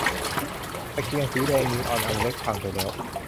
ตะเกียงสีแดงนีออนอันเล็กพังไปแล้ว